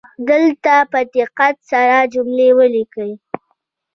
دلته په دقت سره جملې ولیکئ